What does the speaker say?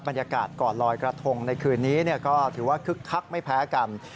บรรยากาศก่อนลอยกระทงในคืนนี้ก็ถือว่าคึกคักไม่แพ้กัน